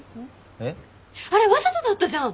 あれわざとだったじゃん。